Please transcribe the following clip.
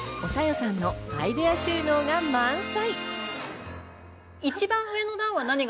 さんのアイデア収納が満載。